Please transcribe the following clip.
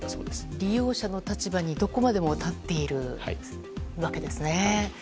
利用者の立場にどこまでも立っていますね。